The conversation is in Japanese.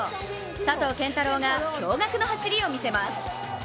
佐藤拳太郎が驚がくの走りを見せます。